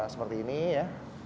seperti ini ya